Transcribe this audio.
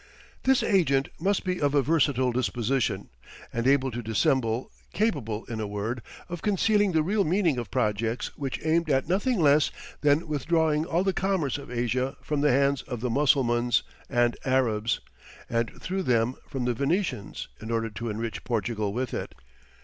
This agent must be of a versatile disposition, and able to dissemble; capable, in a word, of concealing the real meaning of projects which aimed at nothing less than withdrawing all the commerce of Asia from the hands of the Mussulmans and Arabs, and through them from the Venetians, in order to enrich Portugal with it.